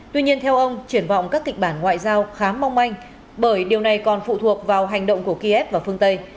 tuy nhiên theo ông triển vọng các kịch bản ngoại giao khá mong manh bởi điều này còn phụ thuộc vào hành động của kiev và phương tây